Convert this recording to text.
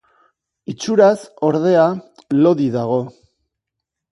Itxuraz, ordea, lodi dago.